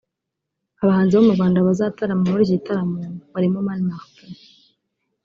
Abahanzi bo mu Rwanda bazatarama muri iki gitaramo barimo Mani Martin